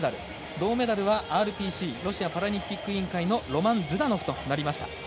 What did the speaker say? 銅メダルはＲＰＣ＝ロシアパラリンピック委員会のロマン・ズダノフとなりました。